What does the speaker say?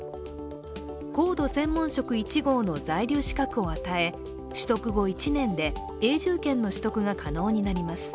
高度専門職１号の在留資格を与え取得後１年で永住権の取得が可能になります。